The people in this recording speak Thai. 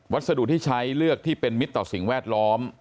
สดุที่ใช้เลือกที่เป็นมิตรต่อสิ่งแวดล้อม